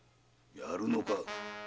やるのか？